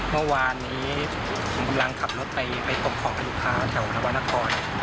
เมื่อวานนี้ผมรังขับรถไปกลมของอายุค้าแถวหน้าวนคร